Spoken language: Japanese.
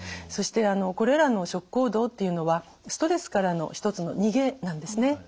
そしてこれらの食行動っていうのはストレスからの一つの逃げなんですね。